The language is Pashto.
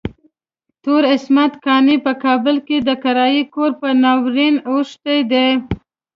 تور عصمت قانع په کابل کې د کرايي کور په ناورين اوښتی دی.